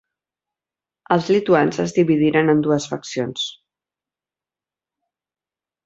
Els lituans es dividiren en dues faccions.